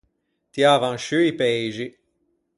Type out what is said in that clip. Tiavan sciù i peixi.